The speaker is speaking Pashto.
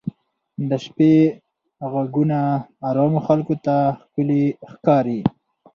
د شپې ږغونه ارامو خلکو ته ښکلي ښکاري.